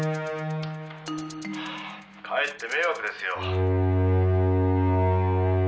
「はぁかえって迷惑ですよ」